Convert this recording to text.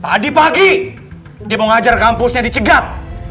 tadi pagi dia mau ngajar kampusnya dicegat